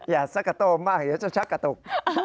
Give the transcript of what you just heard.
อย่าสตะกะโตมากอย่าจะชักตก